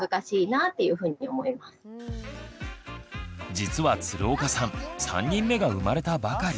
実は鶴岡さん３人目が生まれたばかり。